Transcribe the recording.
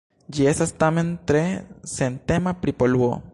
Ĝi estas, tamen, tre sentema pri poluo.